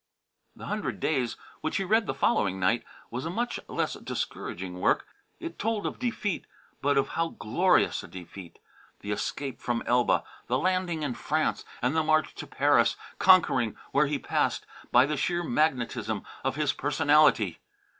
"The Hundred Days," which he read the following night, was a much less discouraging work. It told of defeat, but of how glorious a defeat! The escape from Elba, the landing in France and the march to Paris, conquering, where he passed, by the sheer magnetism of his personality!